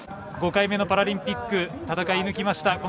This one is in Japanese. ５回目のパラリンピック戦い抜きました。